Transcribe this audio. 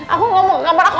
aku gak mau ke kamar aku